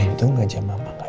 untung aja mama gak ikutan tadi